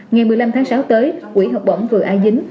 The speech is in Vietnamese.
ngày một mươi năm tháng sáu tới quỹ học bổng vừa a dính